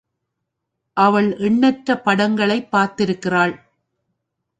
அவள் எண்ணற்ற படங்களைப் பார்த்திருக்கிறாள்.